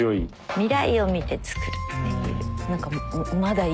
未来を見て造るっていう。